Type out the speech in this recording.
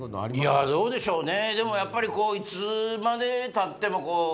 いやどうでしょうね。